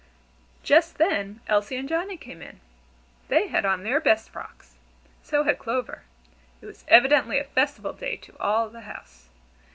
Just then Elsie and Johnnie came in. They had on their best frocks. So had Clover. It was evidently a festival day to all the house.